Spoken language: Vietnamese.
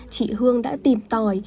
chị hương đã tìm tòi